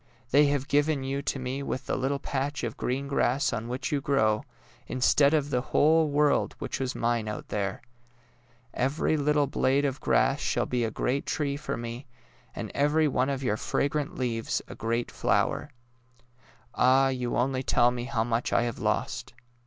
They have given you to me with the little patch of green grass on which you grow, instead of the whole world which was mine out there ! Every little blade of grass shall be a great tree for me, and every one of your fra grant leaves a great flower. Ah, you only tell me how much I have lost!